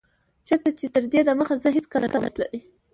چيرته چي تر دي دمخه زه هيڅکله نه وم تللی